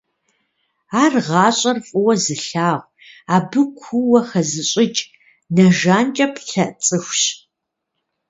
Ар гъащӀэр фӀыуэ зылъагъу, абы куууэ хэзыщӀыкӀ, нэ жанкӀэ плъэ цӀыхущ.